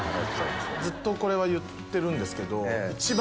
ずっとこれは言ってるんですけど。